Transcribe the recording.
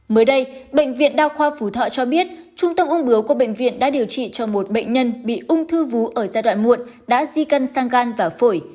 mới đây bệnh viện đa khoa phú thọ cho biết trung tâm ung bướu của bệnh viện đã điều trị cho một bệnh nhân bị ung thư vú ở giai đoạn muộn đã di cân sang gan và phổi